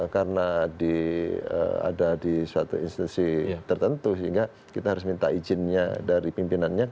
karena ada di suatu institusi tertentu sehingga kita harus minta izinnya dari pimpinannya